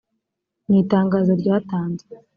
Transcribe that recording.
Mu itangazo ryatanzwe